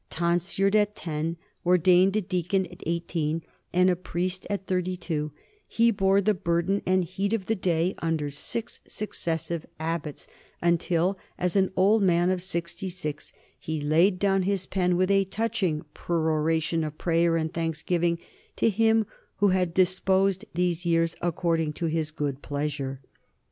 Tonsured at ten, ordained a deacon at eighteen and a priest at thirty two, he bore the burden and heat of the day under six successive abbots, until as an old man of sixty six he laid down his pen with a touching peroration of prayer and thanksgiving to Him who had disposed these years according to His good pleasure.